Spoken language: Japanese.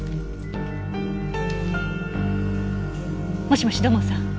もしもし土門さん。